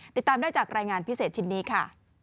ติดตามได้จากรายงานพิเศษชิ้นนี้ค่ะ